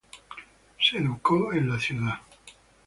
Se educó en la ciudad.